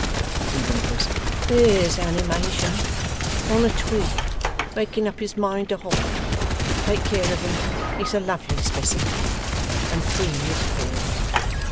he whimpers. 'There's animation! On a twig, making up his mind to hop! Take care of him; he's a lovely specimen. And three is four.